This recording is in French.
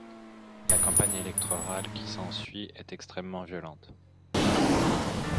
La campagne électorale qui s'ensuit est extrêmement violente.